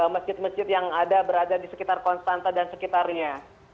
masjid masjid yang ada berada di sekitar konstanta dan sekitarnya